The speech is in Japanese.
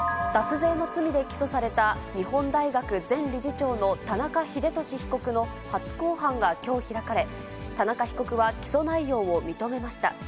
脱税の罪で起訴された日本大学前理事長の田中英壽被告の初公判がきょう開かれ、田中被告は、起訴内容を認めました。